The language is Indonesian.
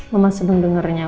mama senang dengarnya